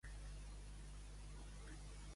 Quan es va enamorar?